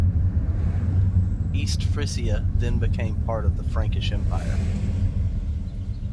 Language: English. East Frisia then became part of the Frankish Empire.